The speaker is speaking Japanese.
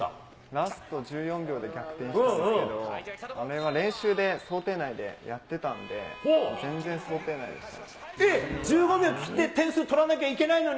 ラスト１４秒で逆転したんですけど、あれは練習で、想定内でやってたので、全然想定内でした。